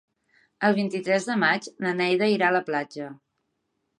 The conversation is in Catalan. El vint-i-tres de maig na Neida irà a la platja.